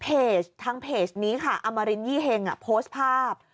เพจทางเพจนี้ค่ะอมรินยี่เฮงโพสต์ภาพ